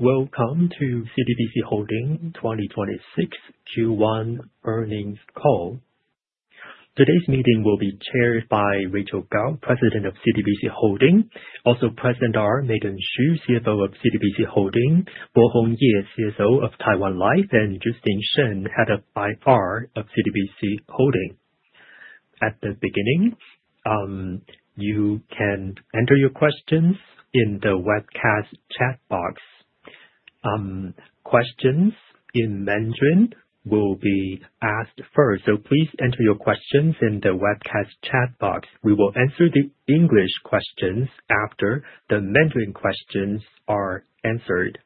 Welcome to CTBC Financial Holding 2026 Q1 earnings call. Today's meeting will be chaired by Rachael Kao, President of CTBC Financial Holding. Also present are Megan Hsu, CFO of CTBC Financial Holding, Bohong Ye, CSO of Taiwan Life, and Justine Shen, Head of IR of CTBC Financial Holding. At the beginning, you can enter your questions in the webcast chat box. Questions in Mandarin will be asked first, so please enter your questions in the webcast chat box. We will answer the English questions after the Mandarin questions are answered.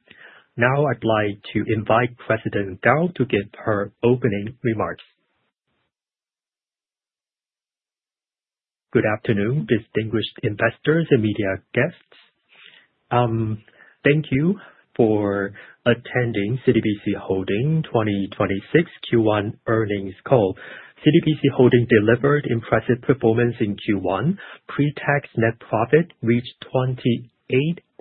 I'd like to invite President Kao to give her opening remarks. Good afternoon, distinguished investors and media guests. Thank you for attending CTBC Financial Holding 2026 Q1 earnings call. CTBC Financial Holding delivered impressive performance in Q1. Pre-tax net profit reached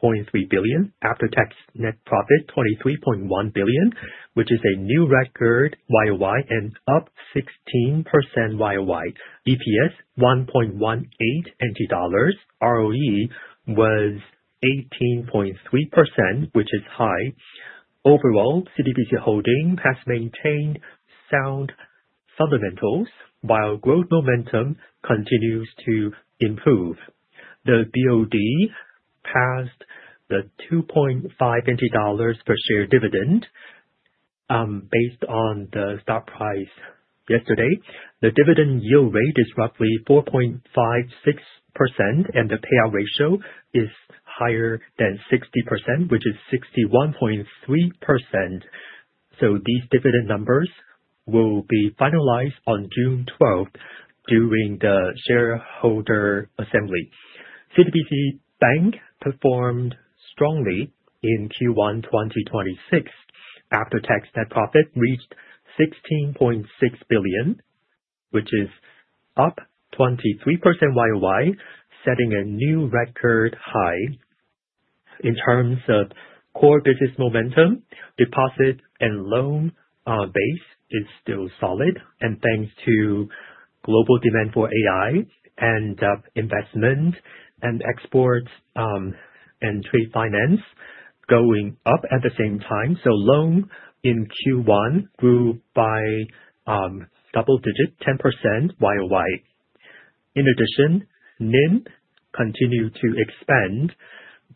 28.3 billion, after-tax net profit 23.1 billion, which is a new record YOY and up 16% YOY. EPS TWD 1.18. ROE was 18.3%, which is high. Overall, CTBC Financial Holding has maintained sound fundamentals while growth momentum continues to improve. The BOD passed the 2.5 per share dividend. Based on the stock price yesterday, the dividend yield rate is roughly 4.56%, and the payout ratio is higher than 60%, which is 61.3%. These dividend numbers will be finalized on June 12th during the shareholder assembly. CTBC Bank performed strongly in Q1 2026. After-tax net profit reached 16.6 billion, which is up 23% YOY, setting a new record high. In terms of core business momentum, deposit and loan base is still solid. Thanks to global demand for AI and investment and exports, and trade finance going up at the same time, loan in Q1 grew by double digits, 10% YOY. In addition, NIM continued to expand,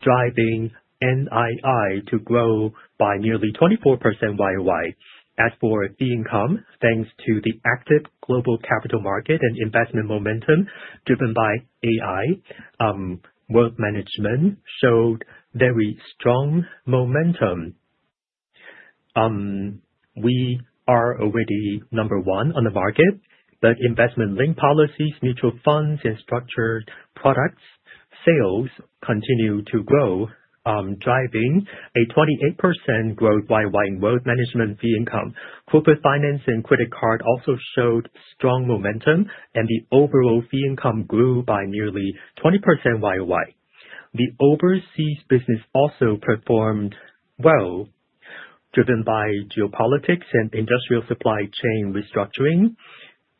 driving NII to grow by nearly 24% YOY. As for fee income, thanks to the active global capital market and investment momentum driven by AI, wealth management showed very strong momentum. We are already number one on the market, investment-linked policies, mutual funds, and structured products sales continue to grow, driving a 28% growth YOY in wealth management fee income. Corporate finance and credit card also showed strong momentum, the overall fee income grew by nearly 20% YOY. The overseas business also performed well. Driven by geopolitics and industrial supply chain restructuring,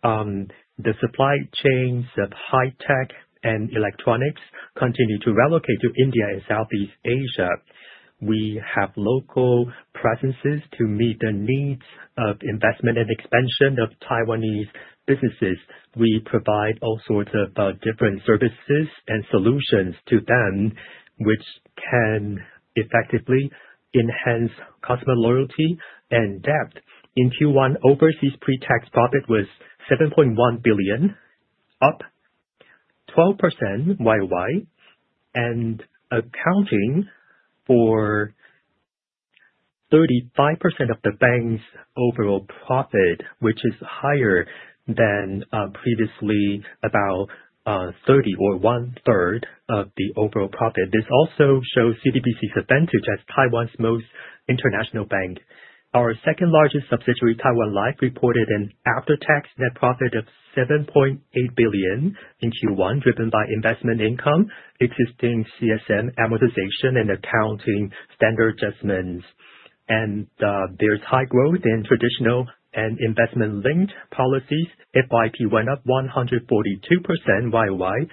the supply chains of high tech and electronics continue to relocate to India and Southeast Asia. We have local presences to meet the needs of investment and expansion of Taiwanese businesses. We provide all sorts of different services and solutions to them, which can effectively enhance customer loyalty and depth. In Q1, overseas pre-tax profit was 7.1 billion, up 12% YOY, accounting for 35% of the bank's overall profit, which is higher than previously about 30% or one-third of the overall profit. This also shows CTBC's advantage as Taiwan's most international bank. Our second-largest subsidiary, Taiwan Life, reported an after-tax net profit of 7.8 billion in Q1, driven by investment income, existing CSM amortization, and accounting standard adjustments. There's high growth in traditional and investment-linked policies. FYP went up 142% YOY,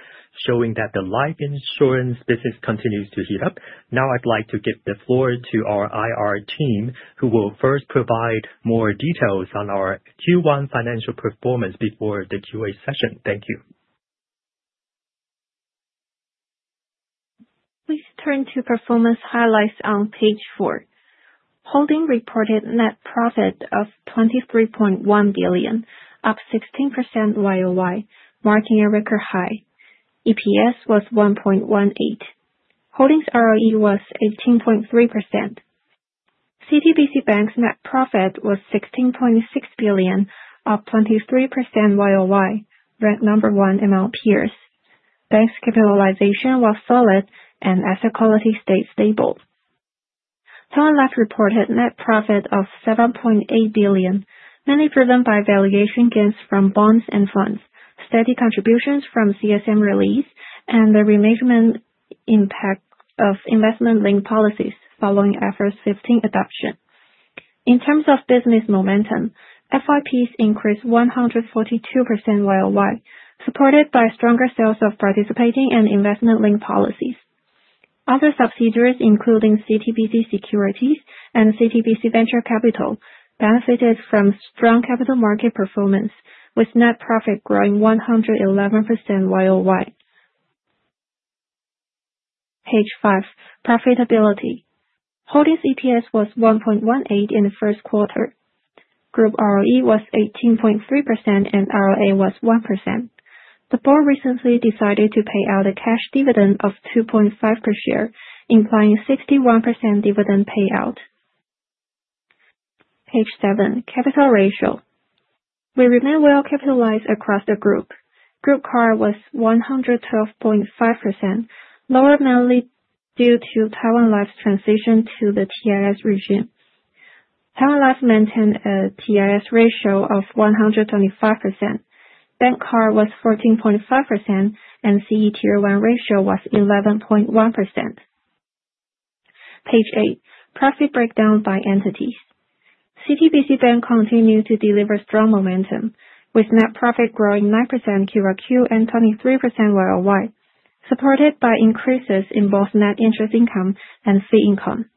showing that the life insurance business continues to heat up. Now I'd like to give the floor to our IR team, who will first provide more details on our Q1 financial performance before the QA session. Thank you. Please turn to performance highlights on page four. Holding reported net profit of 23.1 billion, up 16% year-over-year, marking a record high. EPS was 1.18. Holding's ROE was 18.3%. CTBC Bank's net profit was 16.6 billion, up 23% year-over-year, ranked number 1 among peers. Bank's capitalization was solid and asset quality stayed stable. Taiwan Life reported net profit of 7.8 billion, mainly driven by valuation gains from bonds and funds. Steady contributions from CSM release and the remeasurement impact of investment-linked policies following IFRS 15 adoption. In terms of business momentum, FYPs increased 142% year-over-year, supported by stronger sales of participating and investment-linked policies. Other subsidiaries, including CTBC Securities and CTBC Venture Capital, benefited from strong capital market performance, with net profit growing 111% year-over-year. Page five, profitability. Holding's EPS was 1.18 in the first quarter. Group ROE was 18.3% and ROA was 1%. The board recently decided to pay out a cash dividend of 2.5 per share, implying 61% dividend payout. Page seven, capital ratio. We remain well capitalized across the group. Group CAR was 112.5%, lower mainly due to Taiwan Life's transition to the TIS regime. Taiwan Life maintained a TIS ratio of 125%. Bank CAR was 14.5% and CET1 ratio was 11.1%. Page eight, profit breakdown by entities. CTBC Bank continued to deliver strong momentum, with net profit growing 9% quarter-over-quarter and 23% year-over-year, supported by increases in both net interest income and fee income.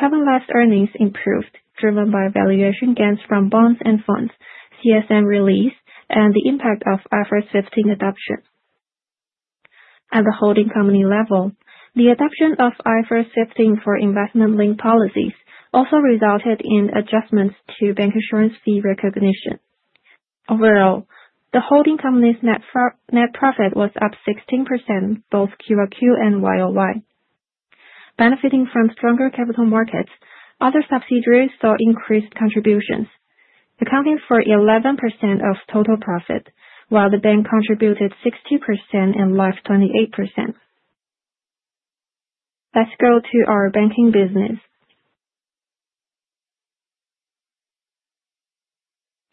Taiwan Life's earnings improved, driven by valuation gains from bonds and funds, CSM release, and the impact of IFRS 15 adoption. At the holding company level, the adoption of IFRS 15 for investment-linked policies also resulted in adjustments to bank insurance fee recognition. Overall, the holding company's net profit was up 16% both quarter-over-quarter and year-over-year. Benefiting from stronger capital markets, other subsidiaries saw increased contributions, accounting for 11% of total profit, while the bank contributed 60% and Life 28%. Let's go to our banking business.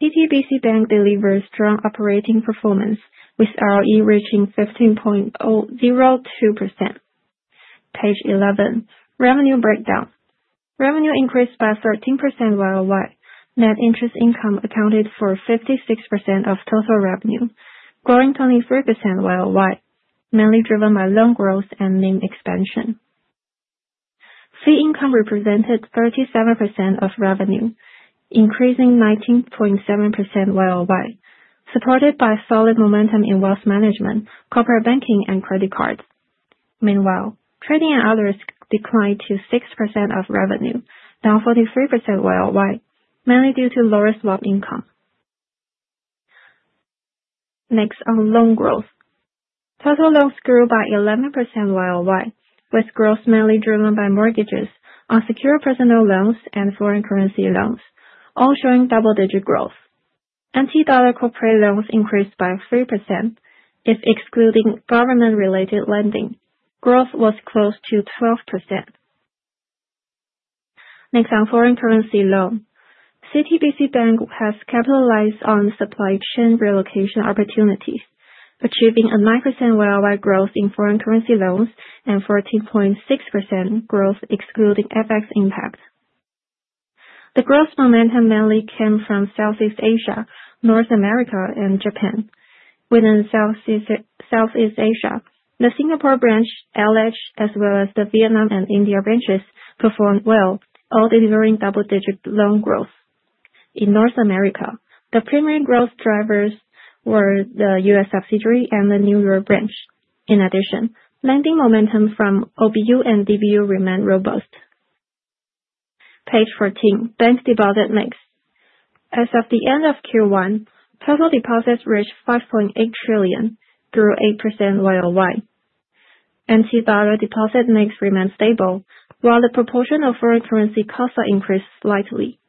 CTBC Bank delivers strong operating performance, with ROE reaching 15.02%. Page 11, revenue breakdown. Revenue increased by 13% year-over-year. Net interest income accounted for 56% of total revenue, growing 23% year-over-year, mainly driven by loan growth and NIM expansion. Fee income represented 37% of revenue, increasing 19.7% year-over-year, supported by solid momentum in wealth management, corporate banking, and credit cards. Meanwhile, trading and others declined to 6% of revenue, down 43% year-over-year, mainly due to lower swap income. On loan growth. Total loans grew by 11% year-over-year, with growth mainly driven by mortgages on secure personal loans and foreign currency loans, all showing double-digit growth. NT dollar corporate loans increased by 3%. If excluding government related lending, growth was close to 12%. Next, on foreign currency loan. CTBC Bank has capitalized on supply chain relocation opportunities, achieving a 9% YoY growth in foreign currency loans and 14.6% growth excluding FX impact. The growth momentum mainly came from Southeast Asia, North America, and Japan. Within Southeast Asia, the Singapore branch, LH, as well as the Vietnam and India branches performed well, all delivering double-digit loan growth. In North America, the primary growth drivers were the U.S. subsidiary and the New York branch. In addition, lending momentum from OBU and DBU remained robust. Page 14, bank deposit mix. As of the end of Q1, total deposits reached NTD 5.8 trillion grew 8% YoY. NT dollar deposit mix remained stable, while the proportion of foreign currency costs increased slightly.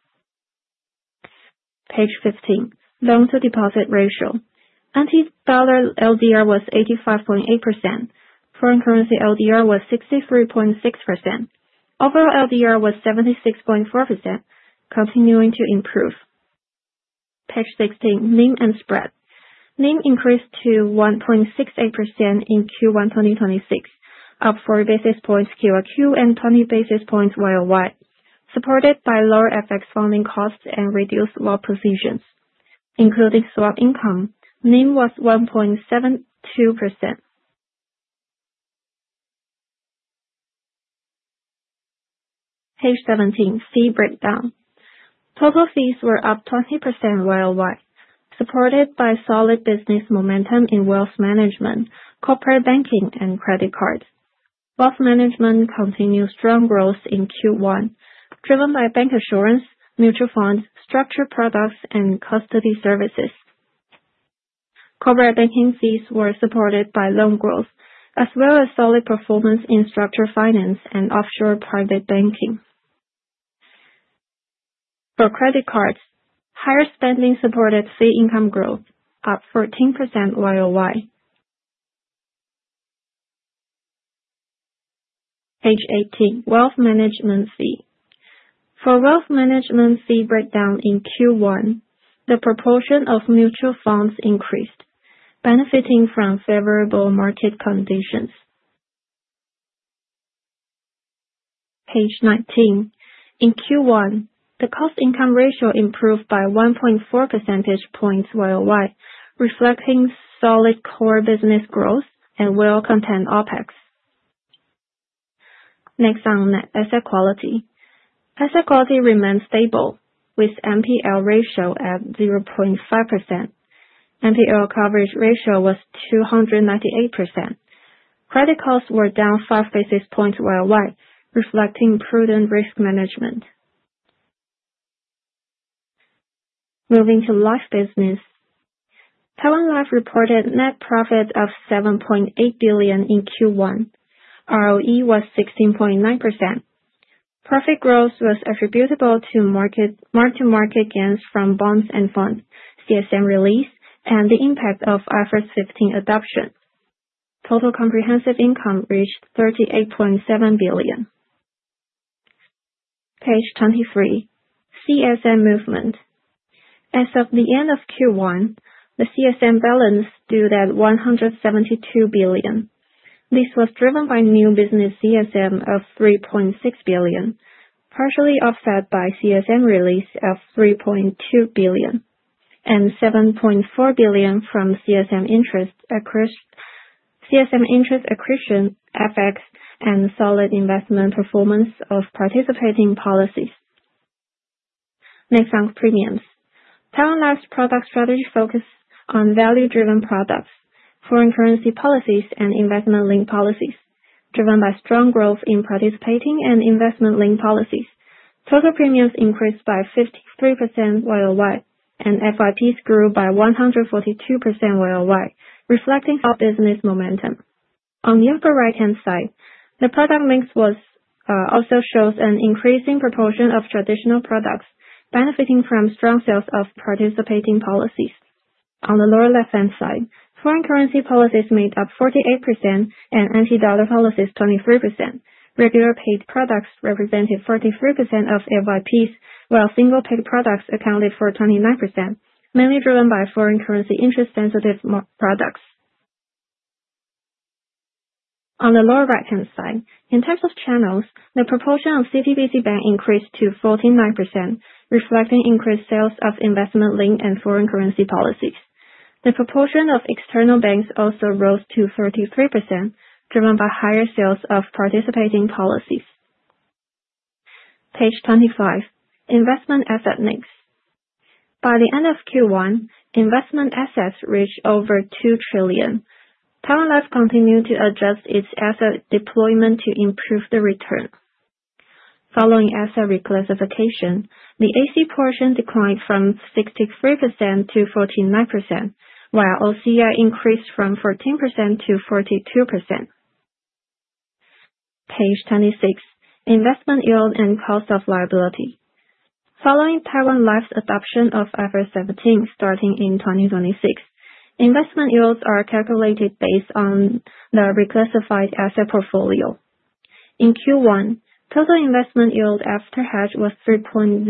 Page 15, loan-to-deposit ratio. NT dollar LDR was 85.8%. Foreign currency LDR was 63.6%. Overall, LDR was 76.4%, continuing to improve. Page 16, NIM and spread. NIM increased to 1.68% in Q1 2026, up 40 basis points QOQ and 20 basis points YoY, supported by lower FX funding costs and reduced swap positions. Including swap income, NIM was 1.72%. Page 17, fee breakdown. Total fees were up 20% YoY, supported by solid business momentum in wealth management, corporate banking, and credit cards. Wealth management continued strong growth in Q1, driven by bank insurance, mutual funds, structured products, and custody services. Corporate banking fees were supported by loan growth, as well as solid performance in structured finance and offshore private banking. For credit cards, higher spending supported fee income growth, up 14% YoY. Page 18, wealth management fee. For wealth management fee breakdown in Q1, the proportion of mutual funds increased, benefiting from favorable market conditions. Page 19. In Q1, the cost income ratio improved by 1.4 percentage points year-over-year, reflecting solid core business growth and well-contained OpEx. Next on asset quality. Asset quality remained stable, with NPL ratio at 0.5%. NPL coverage ratio was 298%. Credit costs were down 5 basis points year-over-year, reflecting prudent risk management. Moving to life business. Taiwan Life reported net profit of NTD 7.8 billion in Q1. ROE was 16.9%. Profit growth was attributable to market-to-market gains from bonds and funds, CSM release, and the impact of IFRS 17 adoption. Total comprehensive income reached NTD 38.7 billion. Page 23, CSM movement. As of the end of Q1, the CSM balance stood at NTD 172 billion. This was driven by new business CSM of NTD 3.6 billion, partially offset by CSM release of NTD 3.2 billion, and NTD 7.4 billion from CSM interest accretion, FX, and solid investment performance of participating policies. Next on premiums. Taiwan Life's product strategy focus on value-driven products, foreign currency policies and investment link policies, driven by strong growth in participating and investment link policies. Total premiums increased by 53% year-over-year, and FYPs grew by 142% year-over-year, reflecting our business momentum. On the upper right-hand side, the product mix also shows an increasing proportion of traditional products benefiting from strong sales of participating policies. On the lower left-hand side, foreign currency policies made up 48% and NT dollar policies 23%. Regular paid products represented 43% of FYPs, while single paid products accounted for 29%, mainly driven by foreign currency interest sensitive products. On the lower right-hand side, in terms of channels, the proportion of CTBC Bank increased to 49%, reflecting increased sales of investment link and foreign currency policies. The proportion of external banks also rose to 33%, driven by higher sales of participating policies. Page 25, investment asset mix. By the end of Q1, investment assets reached over 2 trillion. Taiwan Life continued to adjust its asset deployment to improve the return. Following asset reclassification, the AC portion declined from 63% to 49%, while OCI increased from 14% to 42%. Page 26, investment yield and cost of liability. Following Taiwan Life's adoption of IFRS 17 starting in 2026, investment yields are calculated based on the reclassified asset portfolio. In Q1, total investment yield after hedge was 3.08%,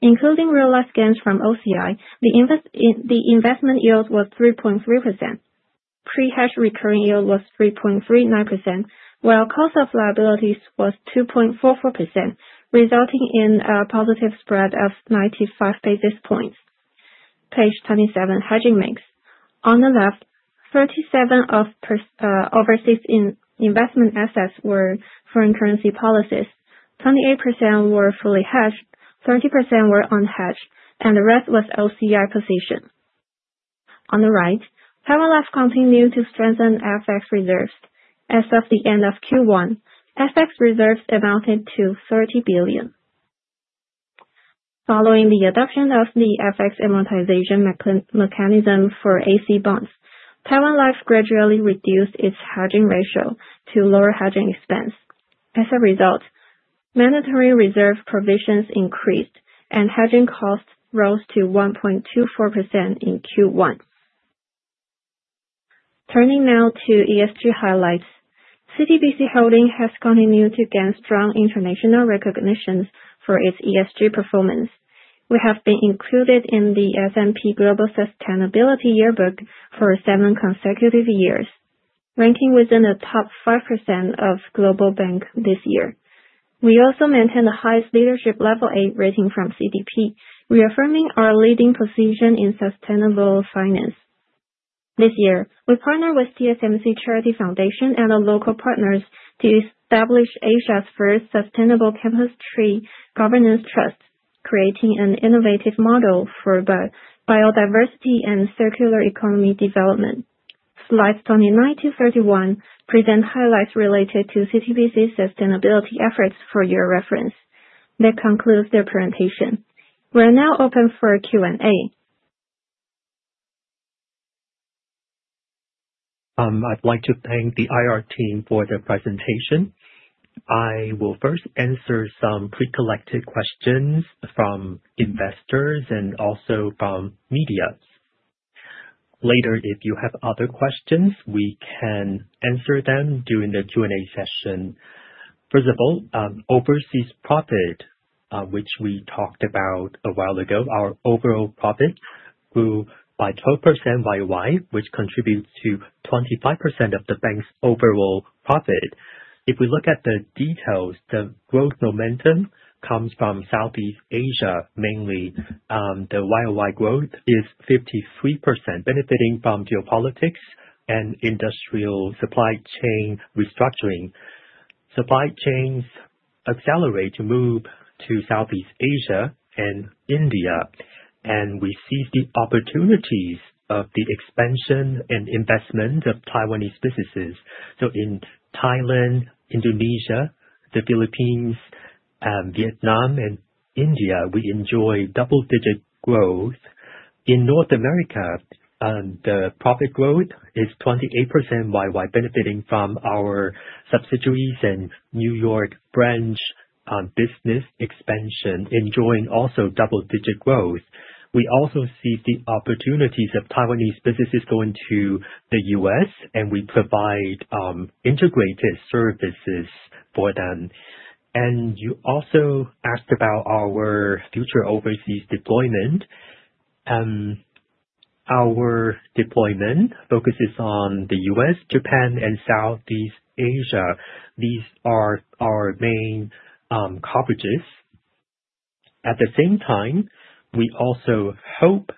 including realized gains from OCI, the investment yield was 3.3%. Pre-hedge recurring yield was 3.39%, while cost of liabilities was 2.44%, resulting in a positive spread of 95 basis points. Page 27, hedging mix. On the left, 37% of overseas investment assets were foreign currency policies, 28% were fully hedged, 30% were unhedged, and the rest was OCI position. On the right, Taiwan Life continued to strengthen FX reserves. As of the end of Q1, FX reserves amounted to 30 billion. Following the adoption of the FX amortization mechanism for AC bonds, Taiwan Life gradually reduced its hedging ratio to lower hedging expense. As a result, mandatory reserve provisions increased and hedging costs rose to 1.24% in Q1. Turning now to ESG highlights. CTBC Holding has continued to gain strong international recognition for its ESG performance. We have been included in the S&P Global Sustainability Yearbook for seven consecutive years, ranking within the top 5% of global banks this year. We also maintain the highest leadership level A rating from CDP, reaffirming our leading position in sustainable finance. This year, we partnered with TSMC Charity Foundation and local partners to establish Asia's first sustainable campus tree governance trust, creating an innovative model for both biodiversity and circular economy development. Slides 29 to 31 present highlights related to CTBC's sustainability efforts for your reference. That concludes the presentation. We are now open for Q&A. I'd like to thank the IR team for their presentation. I will first answer some pre-collected questions from investors and also from media. Later, if you have other questions, we can answer them during the Q&A session. First of all, overseas profit, which we talked about a while ago, our overall profit grew by 12% YOY, which contributes to 25% of the bank's overall profit. If we look at the details, the growth momentum comes from Southeast Asia, mainly. The YOY growth is 53%, benefiting from geopolitics and industrial supply chain restructuring. Supply chains accelerate to move to Southeast Asia and India, and we seize the opportunities of the expansion and investment of Taiwanese businesses. So in Thailand, Indonesia, the Philippines, Vietnam, and India, we enjoy double-digit growth. In North America, the profit growth is 28% year-over-year, benefiting from our subsidiaries and New York branch business expansion, enjoying also double-digit growth. We also see the opportunities of Taiwanese businesses going to the U.S., and we provide integrated services for them. You also asked about our future overseas deployment. Our deployment focuses on the U.S., Japan, and Southeast Asia. These are our main coverages. At the same time, we also hope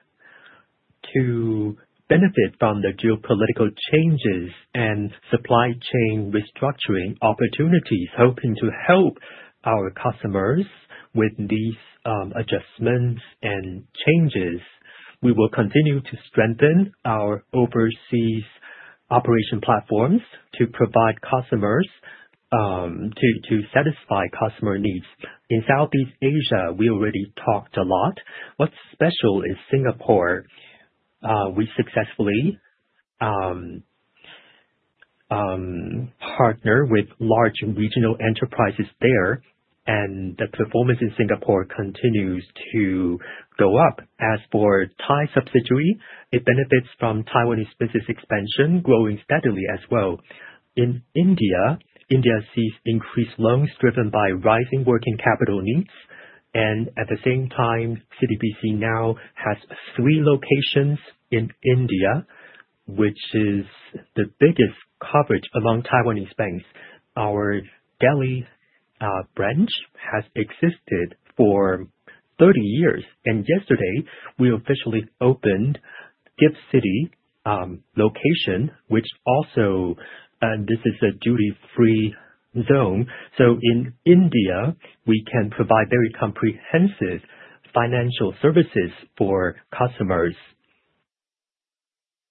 to benefit from the geopolitical changes and supply chain restructuring opportunities, hoping to help our customers with these adjustments and changes. We will continue to strengthen our overseas operation platforms to provide customers, to satisfy customer needs. In Southeast Asia, we already talked a lot. What is special is Singapore. We successfully partner with large regional enterprises there. The performance in Singapore continues to go up. As for the Thai subsidiary, it benefits from Taiwanese business expansion, growing steadily as well. In India sees increased loans driven by rising working capital needs. At the same time, CTBC now has three locations in India, which is the biggest coverage among Taiwanese banks. Our Delhi branch has existed for 30 years. Yesterday we officially opened GIFT City location. This is a duty-free zone. In India, we can provide very comprehensive financial services for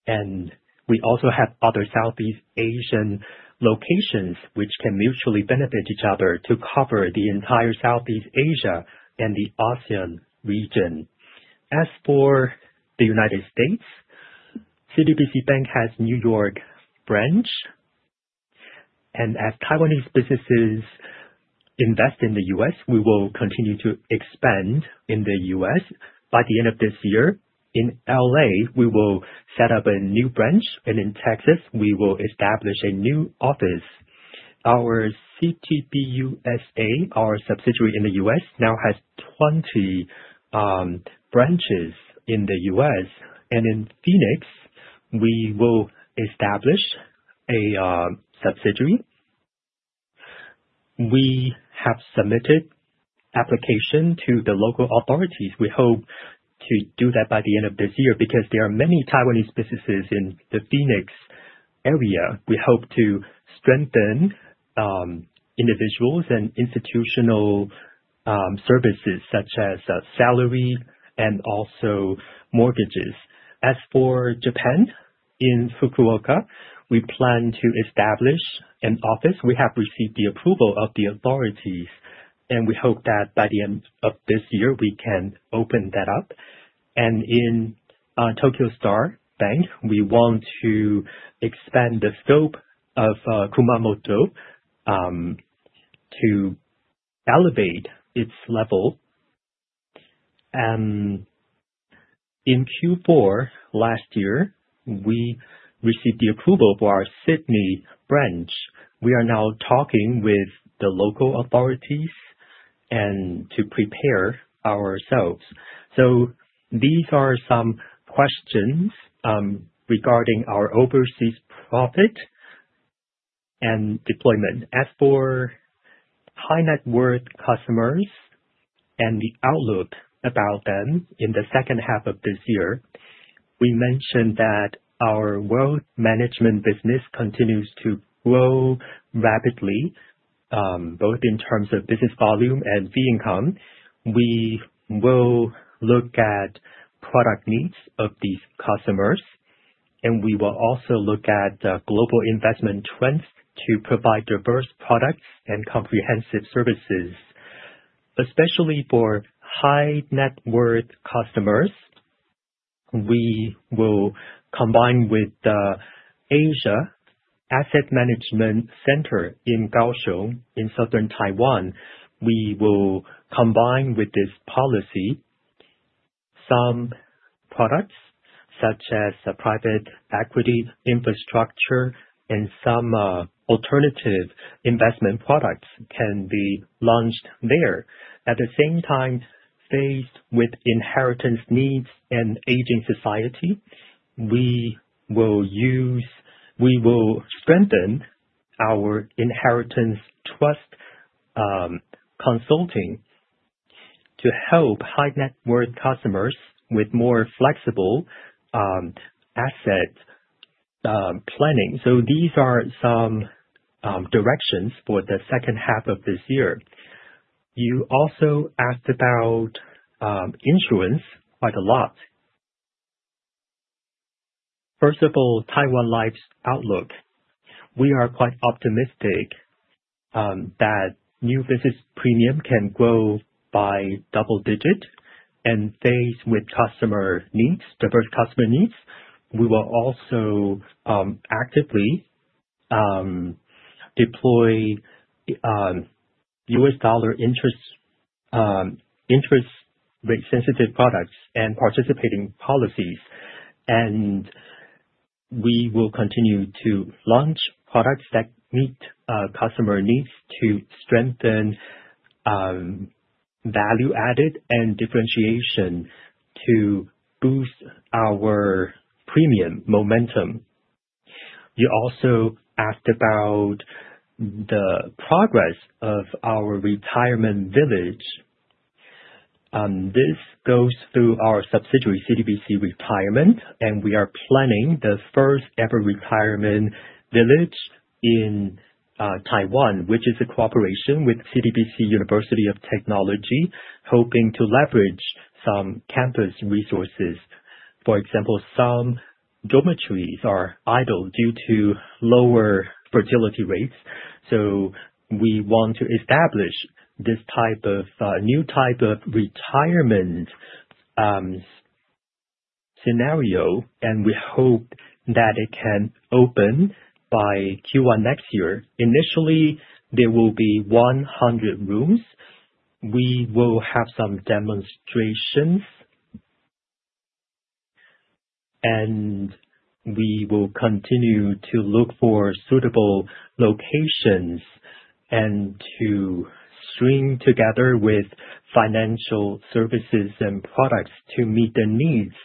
customers. We also have other Southeast Asian locations which can mutually benefit each other to cover the entire Southeast Asia and the ASEAN region. As for the United States, CTBC Bank has New York branch. As Taiwanese businesses invest in the U.S., we will continue to expand in the U.S. By the end of this year, in L.A., we will set up a new branch. In Texas, we will establish a new office. Our CTBUSA, our subsidiary in the U.S., now has 20 branches in the U.S. In Phoenix, we will establish a subsidiary. We have submitted application to the local authorities. We hope to do that by the end of this year because there are many Taiwanese businesses in the Phoenix area. We hope to strengthen individuals and institutional services such as salary and also mortgages. As for Japan, in Fukuoka, we plan to establish an office. We have received the approval of the authorities, and we hope that by the end of this year, we can open that up. In The Tokyo Star Bank, we want to expand the scope of Kumamoto to elevate its level. In Q4 last year, we received the approval for our Sydney branch. We are now talking with the local authorities to prepare ourselves. These are some questions regarding our overseas profit and deployment. As for high-net worth customers and the outlook about them in the second half of this year, we mentioned that our wealth management business continues to grow rapidly, both in terms of business volume and fee income. We will look at product needs of these customers. We will also look at the global investment trends to provide diverse products and comprehensive services. Especially for high-net worth customers, we will combine with Asian Asset Management Center in Kaohsiung, in southern Taiwan. We will combine with this policy some products such as private equity infrastructure and some alternative investment products can be launched there. At the same time, faced with inheritance needs and aging society, we will strengthen our inheritance trust consulting to help high net worth customers with more flexible asset planning. These are some directions for the second half of this year. You also asked about insurance quite a lot. First of all, Taiwan Life's outlook. We are quite optimistic that new business premium can grow by double-digit. Faced with diverse customer needs, we will also actively deploy U.S. dollar interest rate sensitive products and participating policies, and we will continue to launch products that meet customer needs to strengthen value added and differentiation to boost our premium momentum. You also asked about the progress of our retirement village. This goes through our subsidiary, CTBC Retirement, and we are planning the first-ever retirement village in Taiwan, which is a cooperation with CTBC University of Technology, hoping to leverage some campus resources. For example, some dormitories are idle due to lower fertility rates. We want to establish this new type of retirement scenario, and we hope that it can open by Q1 next year. Initially, there will be 100 rooms. We will have some demonstrations, and we will continue to look for suitable locations and to string together with financial services and products to meet the needs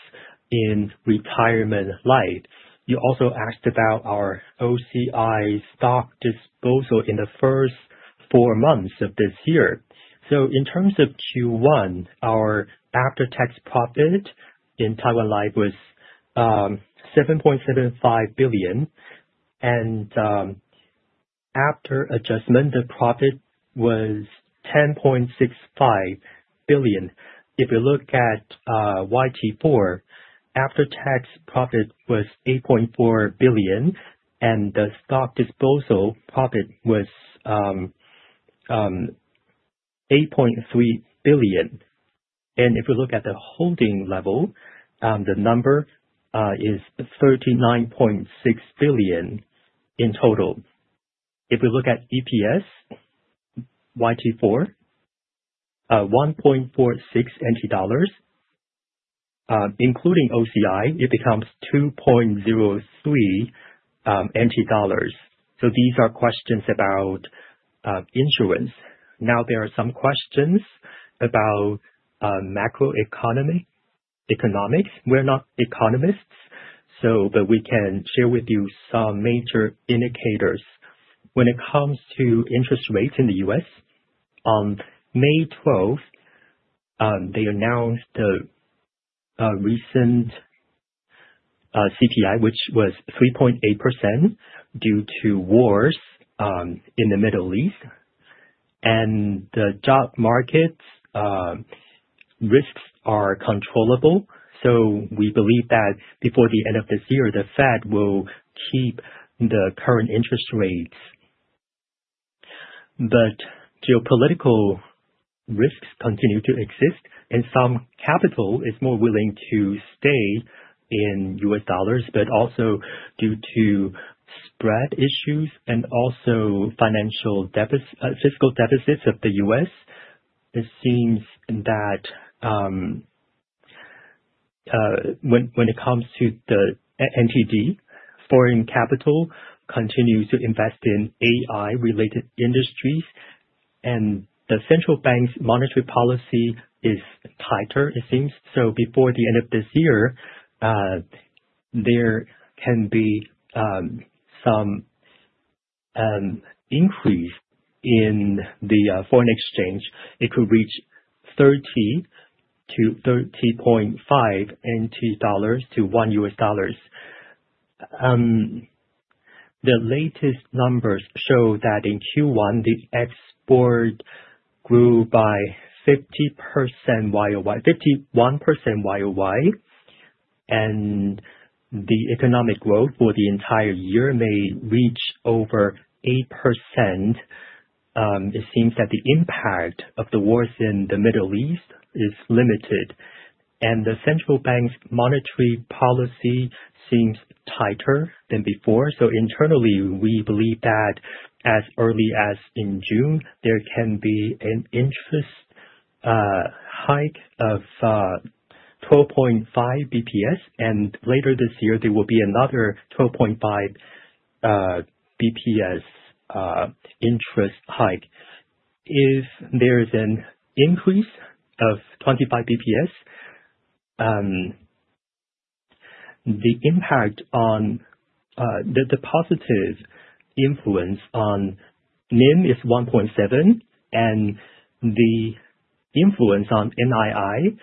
in retirement life. You also asked about our OCI stock disposal in the first four months of this year. In terms of Q1, our after-tax profit in Taiwan Life was 7.75 billion. After adjustment, the profit was 10.65 billion. If you look at YTD, after-tax profit was 8.4 billion and the stock disposal profit was 8.3 billion. If you look at the holding level, the number is 39.6 billion in total. If we look at EPS YTD, 1.46 NT dollars. Including OCI, it becomes 2.03 NT dollars. These are questions about insurance. There are some questions about macroeconomics. We're not economists, but we can share with you some major indicators. When it comes to interest rates in the U.S., on May 12th, they announced the recent CPI, which was 3.8% due to wars in the Middle East. The job markets risks are controllable. We believe that before the end of this year, the Fed will keep the current interest rates. Geopolitical risks continue to exist and some capital is more willing to stay in U.S. dollars, but also due to spread issues and also fiscal deficits of the U.S. When it comes to the NTD, foreign capital continues to invest in AI-related industries, and the central bank's monetary policy is tighter, it seems. Before the end of this year, there can be some increase in the foreign exchange. It could reach 30-30.5 NT dollars to one U.S. dollar. The latest numbers show that in Q1, the export grew by 51% YOY, and the economic growth for the entire year may reach over 8%. It seems that the impact of the wars in the Middle East is limited, and the central bank's monetary policy seems tighter than before. Internally, we believe that as early as in June, there can be an interest hike of 12.5 BPS, and later this year there will be another 12.5 BPS interest hike. If there is an increase of 25 BPS, the positive influence on NIM is 1.7, and the influence on NII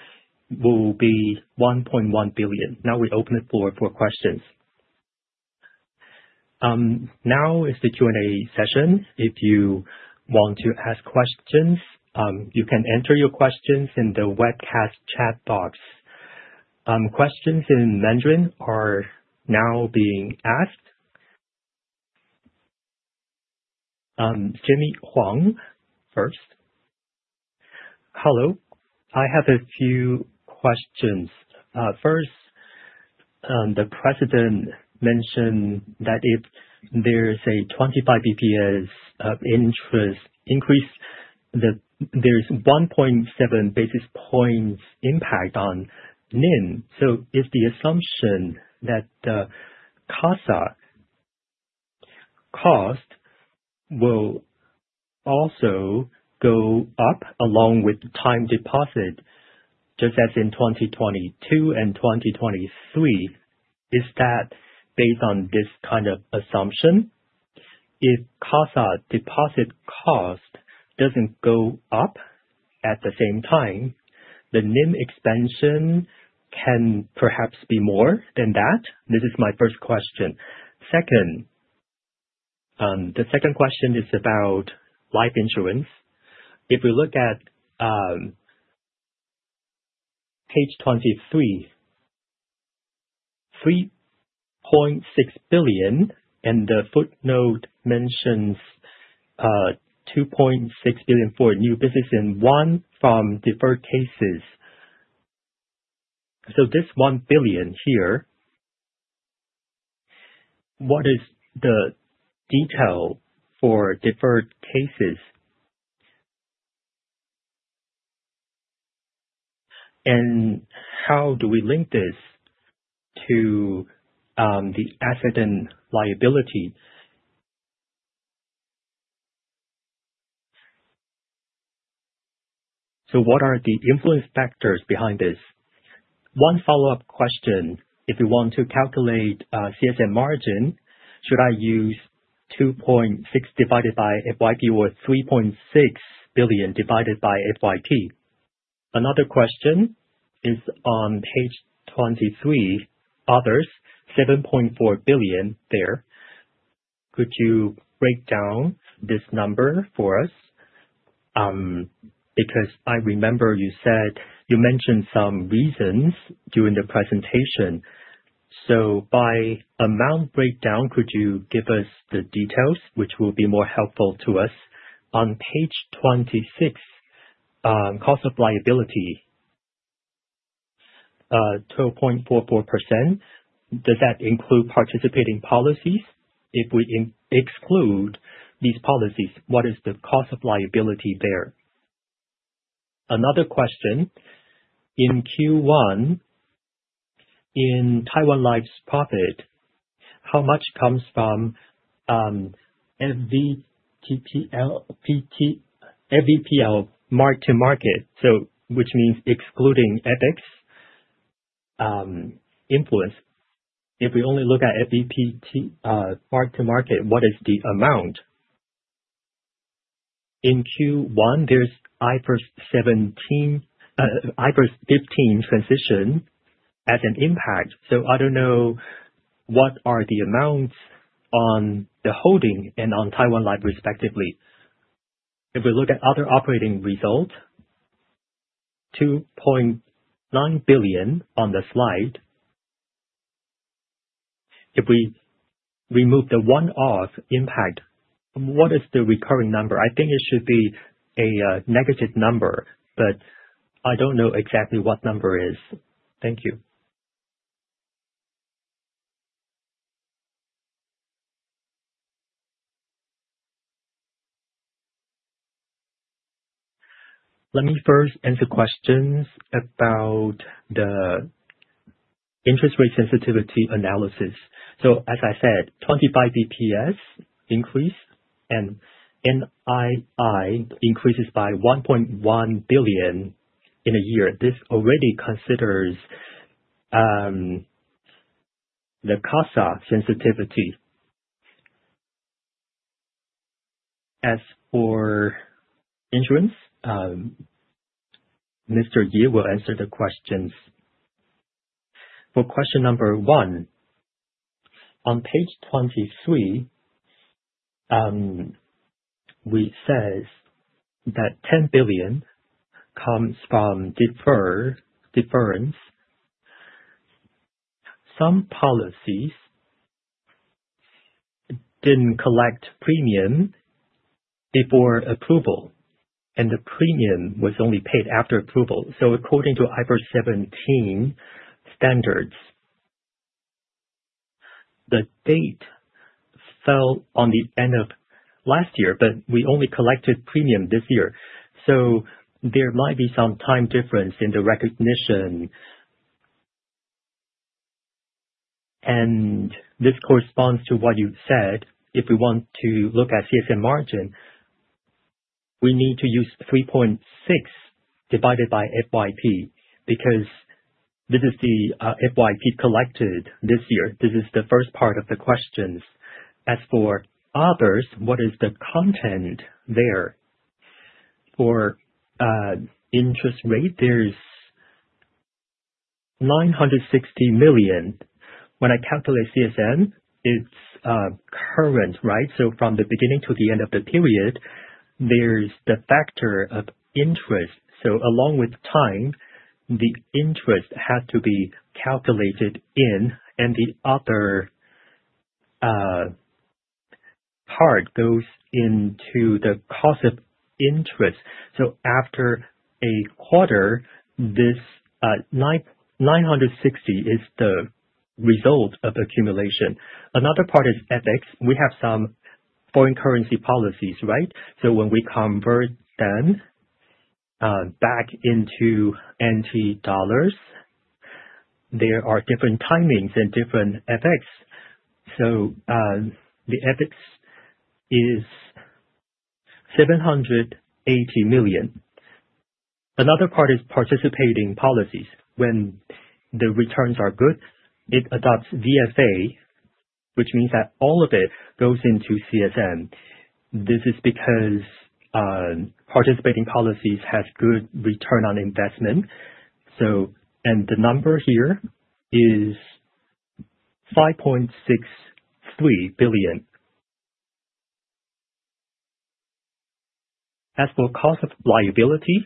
will be 1.1 billion. We open the floor for questions. Is the Q&A session. If you want to ask questions, you can enter your questions in the webcast chat box. Questions in Mandarin are now being asked. Jimmy Huang first. Hello. I have a few questions. First, the President mentioned that if there is a 25 BPS of interest increase, that there is 1.7 basis points impact on NIM. Is the assumption that the CASA cost will also go up along with time deposit, just as in 2022 and 2023? Is that based on this kind of assumption? If CASA deposit cost doesn't go up at the same time, the NIM expansion can perhaps be more than that? This is my first question. The second question is about life insurance. If we look at page 23, 3.6 billion, and the footnote mentions 2.6 billion for new business and 1 billion from deferred cases. This 1 billion here, what is the detail for deferred cases, and how do we link this to the asset and liability? What are the influence factors behind this? One follow-up question. If you want to calculate CSM margin, should I use 2.6 billion divided by FYP or 3.6 billion divided by FYT? Another question is on page 23, others, 7.4 billion there. Could you break down this number for us? I remember you mentioned some reasons during the presentation. By amount breakdown, could you give us the details, which will be more helpful to us? On page 26, cost of liability, 2.44%, does that include participating policies? If we exclude these policies, what is the cost of liability there? Another question, in Q1, in Taiwan Life's profit, how much comes from FVPL mark-to-market, which means excluding FX influence. If we only look at FVTPL mark-to-market, what is the amount? In Q1, there's IFRS 15 transition as an impact, I don't know what are the amounts on the holding and on Taiwan Life respectively. If we look at other operating results, 2.9 billion on the slide. If we remove the one-off impact, what is the recurring number? I think it should be a negative number, I don't know exactly what number it is. Thank you. Let me first answer questions about the interest rate sensitivity analysis. As I said, 25 BPS increase and NII increases by 1.1 billion in a year. This already considers the CASA sensitivity. As for insurance, Mr. Yee will answer the questions. For question number 1, on page 23, we said that 10 billion comes from deferred cases. Some policies didn't collect premium before approval, and the premium was only paid after approval. According to IFRS 17 standards, the date fell on the end of last year, we only collected premium this year. There might be some time difference in the recognition. This corresponds to what you said, if we want to look at CSM margin, we need to use 3.6 divided by FYP, because this is the FYP collected this year. This is the first part of the questions. As for others, what is the content there? For interest rate, there is 960 million. When I calculate CSM, it is current, right? So from the beginning to the end of the period, there is the factor of interest. So along with time, the interest had to be calculated in, and the other part goes into the cost of interest. So after a quarter, this 960 million is the result of accumulation. Another part is FX. We have some foreign currency policies, right? So when we convert them back into NT dollars, there are different timings and different FX. The FX is 780 million. Another part is participating policies. When the returns are good, it adopts VFA, which means that all of it goes into CSM. This is because participating policies have good return on investment. The number here is TWD 5.63 billion. As for cost of liability,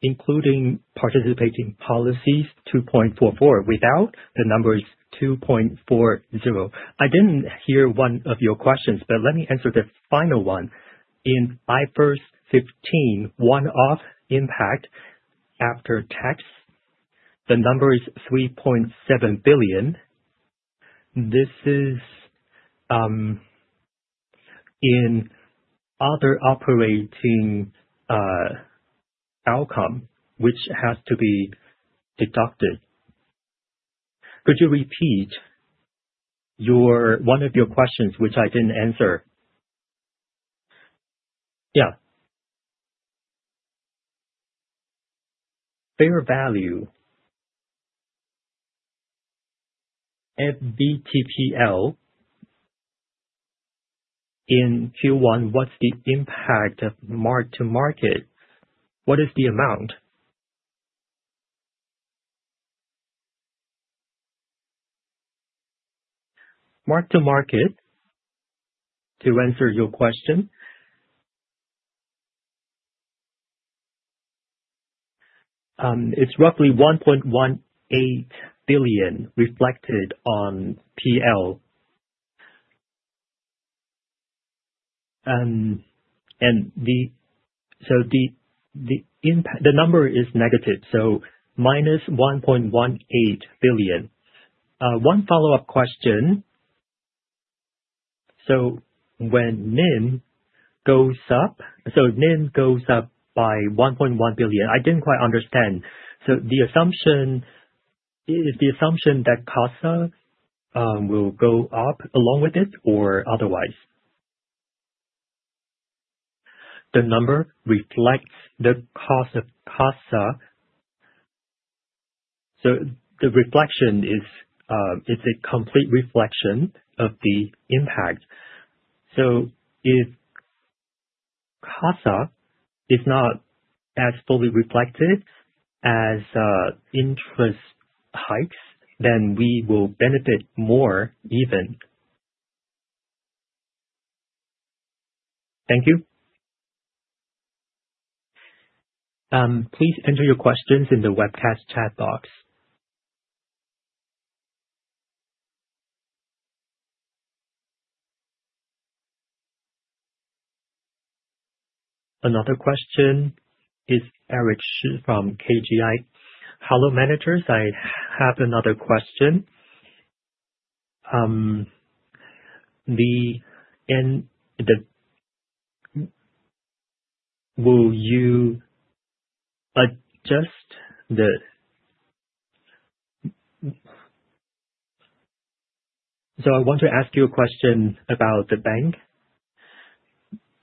including participating policies 2.44. Without, the number is 2.40. I did not hear one of your questions, but let me answer the final one. In IFRS 15, one-off impact after tax, the number is 3.7 billion. This is in other operating outcome, which has to be deducted. Could you repeat one of your questions, which I did not answer? Fair value at FVTPL. In Q1, what is the impact of mark-to-market? What is the amount? Mark-to-market, to answer your question, it is roughly 1.18 billion reflected on PL. The number is negative, so minus 1.18 billion. One follow-up question. When NIM goes up by 1.1 billion, I did not quite understand. Is the assumption that CASA will go up along with it or otherwise? The number reflects the cost of CASA, so the reflection is a complete reflection of the impact. If CASA is not as fully reflected as interest hikes, then we will benefit more even. Thank you. Please enter your questions in the webcast chat box. Another question is Eric Shi from KGI. Hello, managers. I have another question. Will you adjust the-- I want to ask you a question about the bank.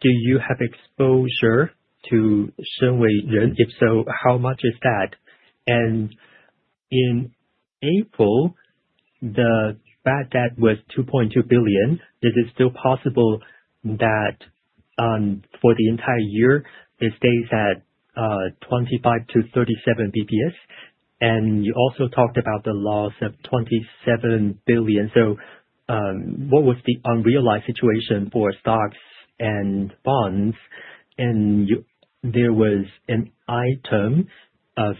Do you have exposure to Shenwei Jern? If so, how much is that? In April, the bad debt was 2.2 billion. Is it still possible that for the entire year, it stays at 25-37 basis points? You also talked about the loss of 27 billion. What was the unrealized situation for stocks and bonds? There was an item of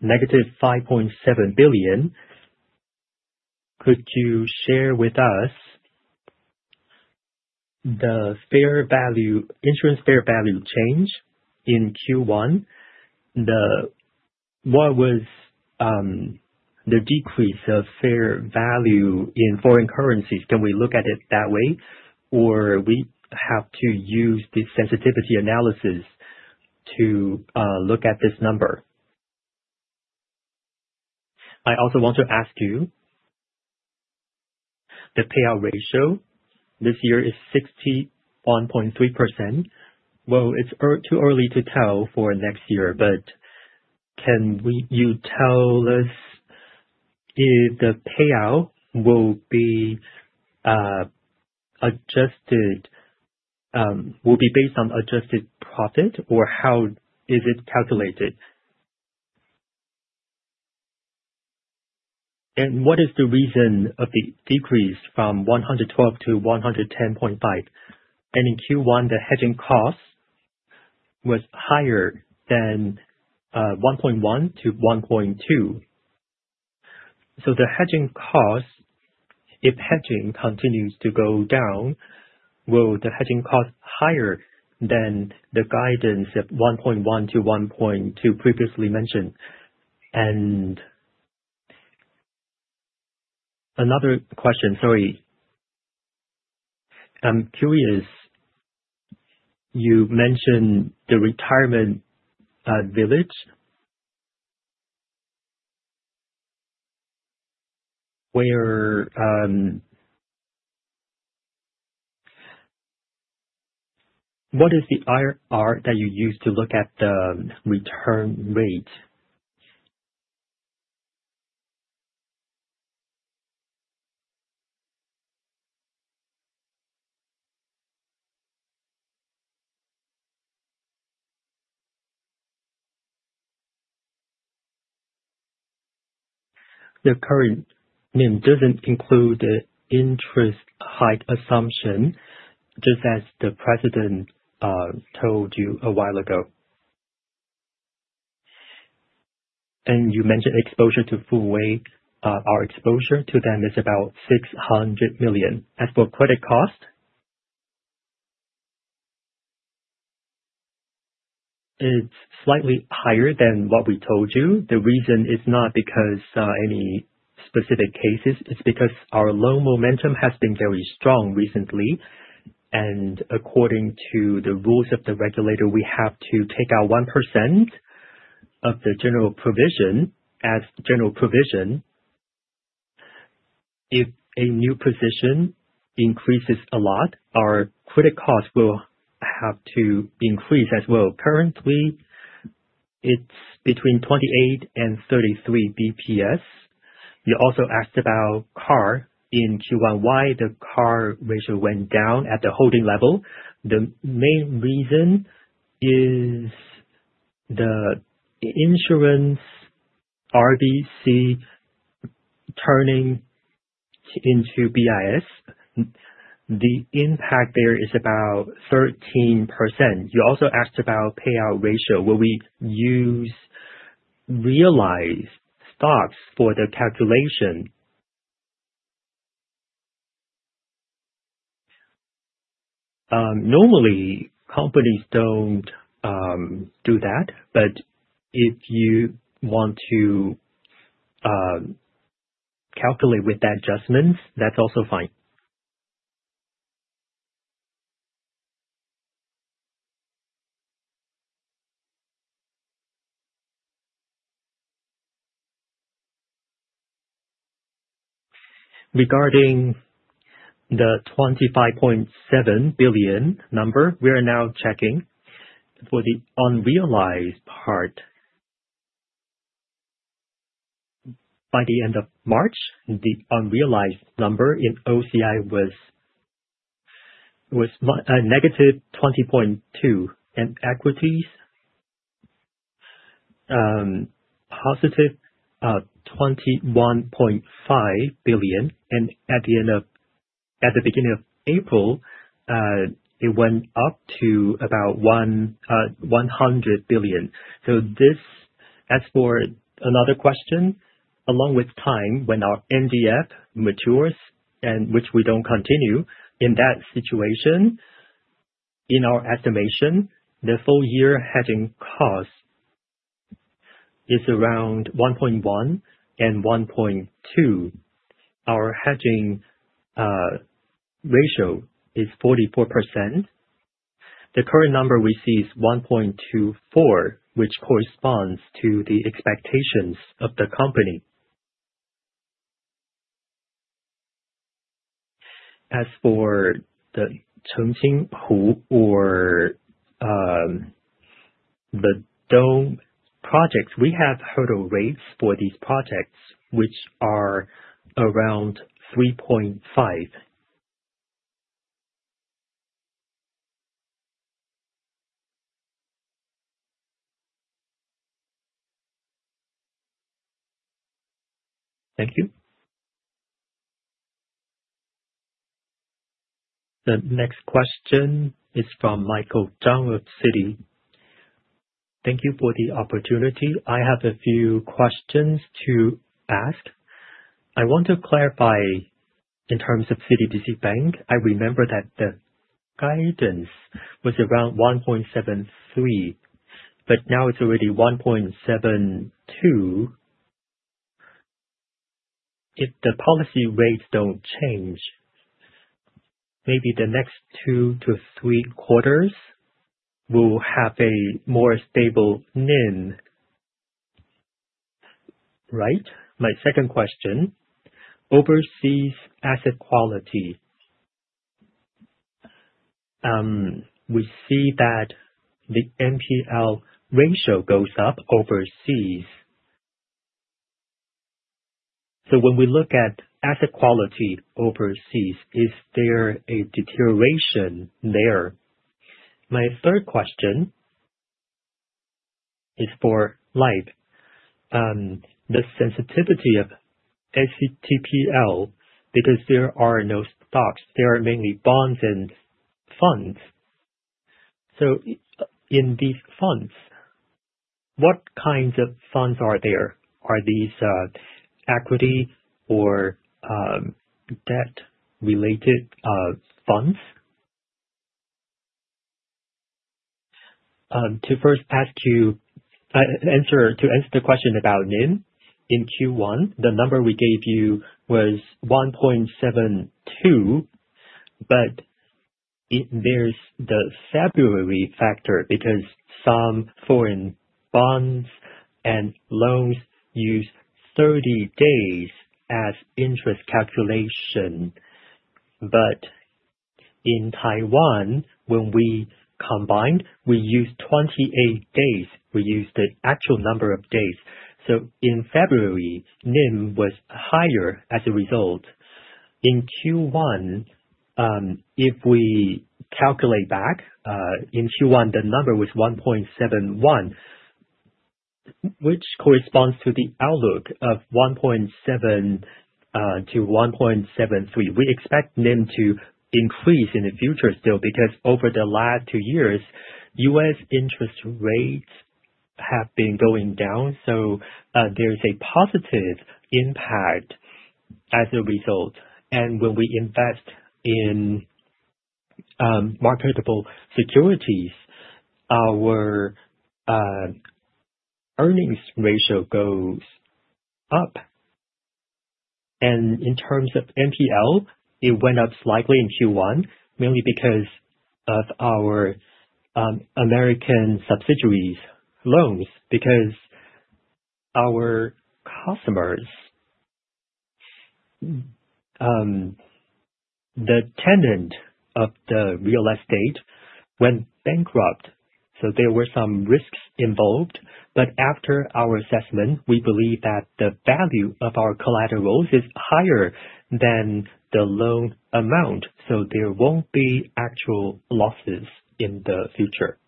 negative 5.7 billion. Could you share with us the insurance fair value change in Q1? What was the decrease of fair value in foreign currencies? Can we look at it that way? Or we have to use the sensitivity analysis to look at this number? I also want to ask you, the payout ratio this year is 61.3%. Well, it is too early to tell for next year, but can you tell us if the payout will be based on adjusted profit, or how is it calculated? What is the reason of the decrease from 112 to 110.5? In Q1, the hedging cost was higher than 1.1% to 1.2%. The hedging cost, if hedging continues to go down, will the hedging cost higher than the guidance of 1.1% to 1.2% previously mentioned? Another question, sorry. I'm curious, you mentioned the retirement village. What is the IRR that you use to look at the return rate? The current NIM doesn't include the interest hike assumption, just as the president told you a while ago. You mentioned exposure to Fuwei. Our exposure to them is about 600 million. As for credit cost, it's slightly higher than what we told you. The reason is not because any specific cases, it's because our loan momentum has been very strong recently. According to the rules of the regulator, we have to take out 1% of the general provision as general provision. If a new position increases a lot, our credit cost will have to increase as well. Currently, it's between 28 and 33 basis points. You also asked about CAR. In Q1, why the CAR ratio went down at the holding level. The main reason is the insurance RBC turning into TW-ICS. The impact there is about 13%. You also asked about payout ratio, will we use realized stocks for the calculation? Normally companies don't do that, but if you want to calculate with the adjustments, that's also fine. Regarding the 25.7 billion number, we are now checking for the unrealized part. By the end of March, the unrealized number in OCI was a negative 20.2, and equities, positive 21.5 billion. At the beginning of April, it went up to about 100 billion. As for another question, along with time when our NDF matures and which we don't continue, in that situation, in our estimation, the full year hedging cost is around 1.1% and 1.2%. Our hedging ratio is 44%. The current number we see is 1.24%, which corresponds to the expectations of the company. As for the Chengcing Lake or the Dome projects, we have hurdle rates for these projects which are around 3.5%. Thank you. The next question is from Michael Chang of Citi. Thank you for the opportunity. I have a few questions to ask. I want to clarify in terms of CTBC Bank, I remember that the guidance was around 1.73%, but now it's already 1.72%. If the policy rates don't change, maybe the next two to three quarters will have a more stable NIM. Right? My second question, overseas asset quality. We see that the NPL ratio goes up overseas. When we look at asset quality overseas, is there a deterioration there? My third question is for Life. The sensitivity of FVTPL, because there are no stocks, there are mainly bonds and funds. In these funds, what kinds of funds are there? Are these equity or debt-related funds? To first answer the question about NIM. In Q1, the number we gave you was 1.72%, but there's the February factor, because some foreign bonds and loans use 30 days as interest calculation. In Taiwan, when we combined, we used 28 days. We used the actual number of days. In February, NIM was higher as a result. In Q1, if we calculate back, in Q1, the number was 1.71, which corresponds to the outlook of 1.7 to 1.73. We expect NIM to increase in the future still because over the last two years, U.S. interest rates have been going down, so there is a positive impact as a result. When we invest in marketable securities, our earnings ratio goes up. In terms of NPL, it went up slightly in Q1, mainly because of our American subsidiaries' loans because our customers, the tenant of the real estate, went bankrupt, so there were some risks involved. After our assessment, we believe that the value of our collaterals is higher than the loan amount, so there won't be actual losses in the future.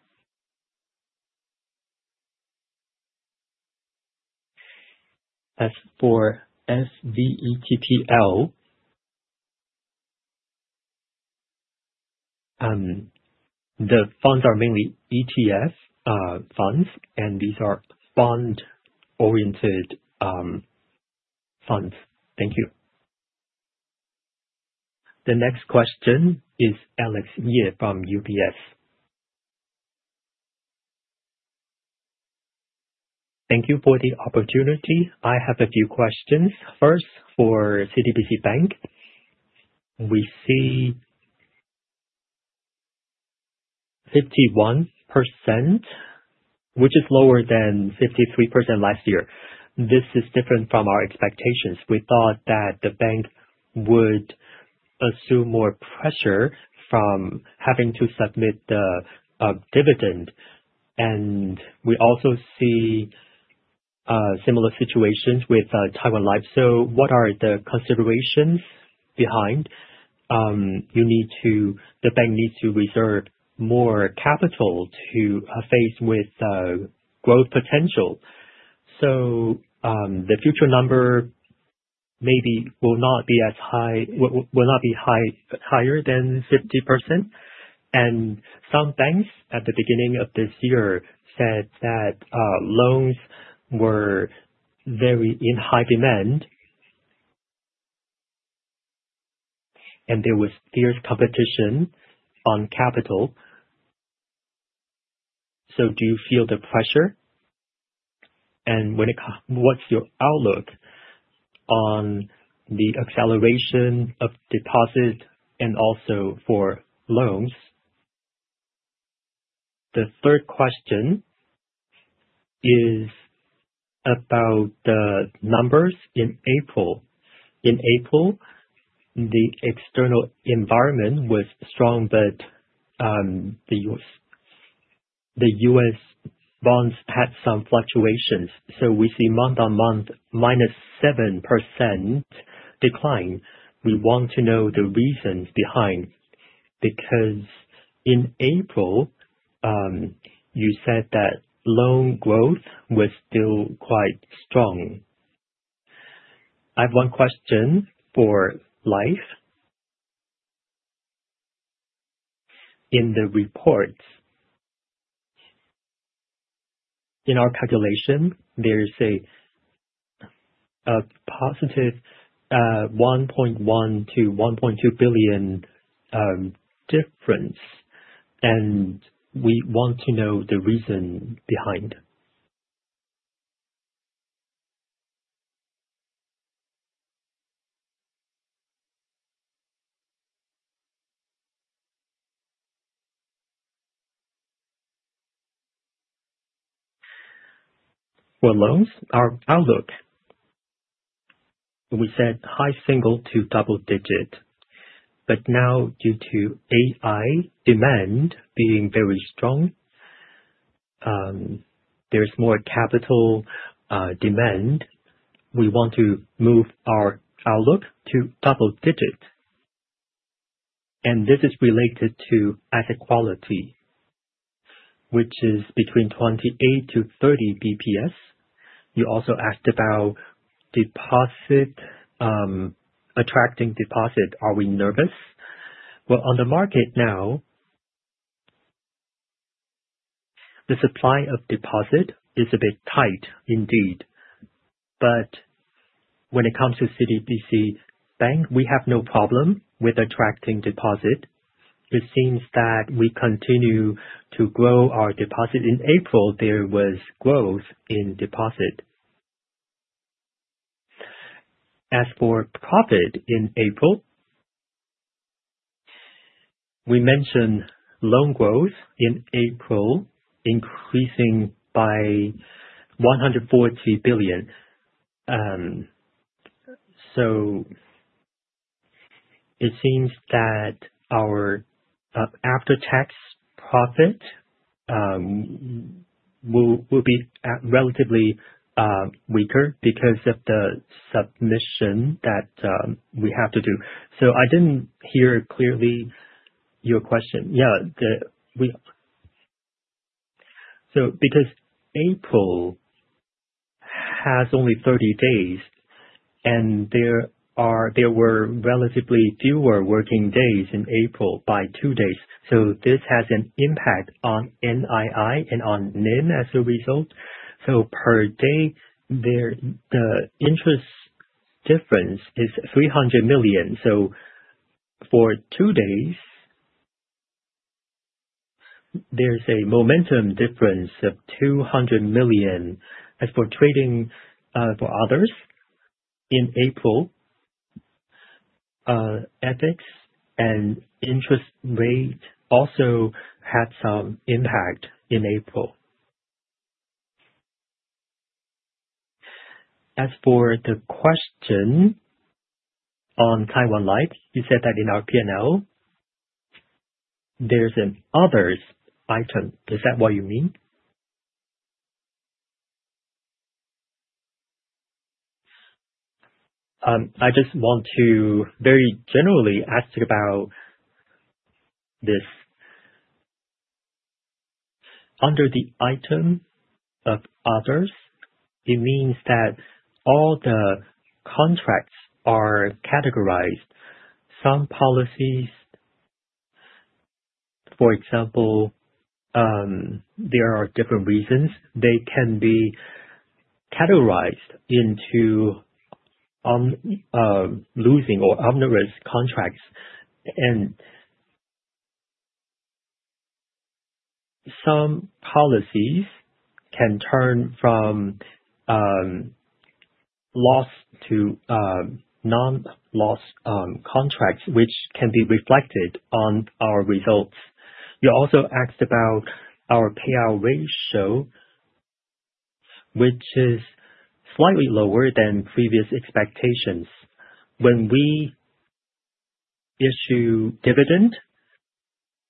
As for FVTPL, the funds are mainly ETF funds, and these are bond-oriented funds. Thank you. The next question is Alex Yeh from UBS. Thank you for the opportunity. I have a few questions. First, for CTBC Bank, we see 51%, which is lower than 53% last year. This is different from our expectations. We thought that the bank would assume more pressure from having to submit the dividend. We also see similar situations with Taiwan Life. What are the considerations behind the bank needs to reserve more capital to face with growth potential. The future number maybe will not be higher than 50%. Some banks at the beginning of this year said that loans were very in high demand, and there was fierce competition on capital. Do you feel the pressure? What's your outlook on the acceleration of deposit and also for loans? The third question is about the numbers in April. In April, the external environment was strong, but the U.S. bonds had some fluctuations. We see month-on-month, minus 7% decline. We want to know the reasons behind. In April, you said that loan growth was still quite strong. I have one question for Life. In the report, in our calculation, there is a positive 1.1 billion to 1.2 billion difference, and we want to know the reason behind. For loans, our outlook, we said high single to double digit. Now due to AI demand being very strong, there's more capital demand. We want to move our outlook to double digit, and this is related to asset quality, which is between 28 to 30 basis points. You also asked about attracting deposit. Are we nervous? Well, on the market now, the supply of deposit is a bit tight indeed. When it comes to CTBC Bank, we have no problem with attracting deposit. It seems that we continue to grow our deposit. In April, there was growth in deposit. As for profit, in April, we mentioned loan growth in April increasing by TWD 140 billion. It seems that our after-tax profit will be relatively weaker because of the submission that we have to do. I didn't hear clearly your question. Yeah. Because April has only 30 days, and there were relatively fewer working days in April by two days, this has an impact on NII and on NIM as a result. Per day, the interest difference is 300 million. For two days, there's a momentum difference of 200 million. As for trading for others, in April, FX and interest rate also had some impact in April. As for the question on Taiwan Life, you said that in our P&L, there's an others item. Is that what you mean? I just want to very generally ask about this. Under the item of others, it means that all the contracts are categorized. Some policies, for example, there are different reasons they can be categorized into losing or onerous contracts, and some policies can turn from loss to non-loss contracts, which can be reflected on our results. You also asked about our payout ratio, which is slightly lower than previous expectations. When we issue dividend,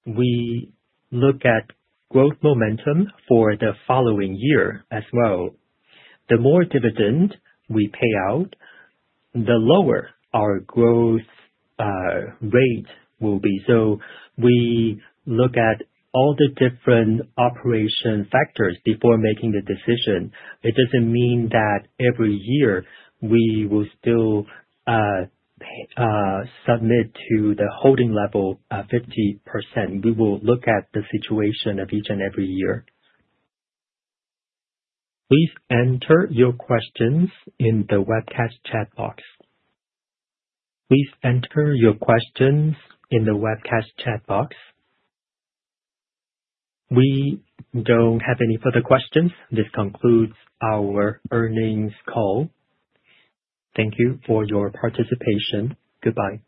we look at growth momentum for the following year as well. The more dividend we pay out, the lower our growth rate will be. We look at all the different operation factors before making the decision. It doesn't mean that every year we will still submit to the holding level at 50%. We will look at the situation of each and every year. Please enter your questions in the webcast chat box. Please enter your questions in the webcast chat box. We don't have any further questions. This concludes our earnings call. Thank you for your participation. Goodbye.